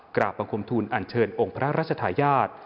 กราบบังคมทูลอันเชิญองค์พระราชทายาท